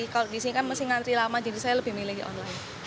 kalau di sini kan mesti ngantri lama jadi saya lebih milih di online